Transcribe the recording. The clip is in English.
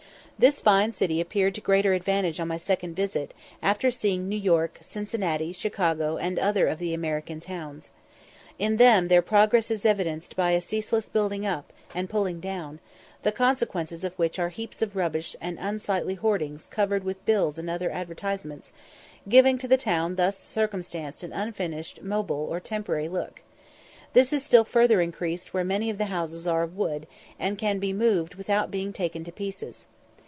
This fine city appeared to greater advantage on my second visit, after seeing New York, Cincinnati, Chicago, and other of the American towns. In them their progress is evidenced by a ceaseless building up and pulling down, the consequences of which are heaps of rubbish and unsightly hoardings covered with bills and advertisements, giving to the towns thus circumstanced an unfinished, mobile, or temporary look. This is still further increased where many of the houses are of wood, and can be moved without being taken to pieces.